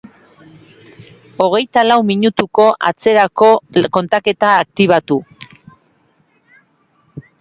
Hogeita lau minutuko atzerako kontaketa aktibatu.